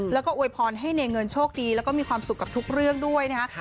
แล้วก็อวยพรให้เนเงินโชคดีแล้วก็มีความสุขกับทุกเรื่องด้วยนะคะ